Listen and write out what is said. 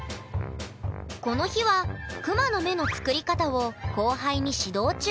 この日はクマの目の作り方を後輩に指導中。